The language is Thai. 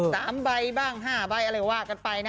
สามใบบ้างห้าใบอะไรว่ากันไปนะ